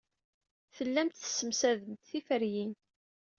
Tellamt tessemsademt tiferyin.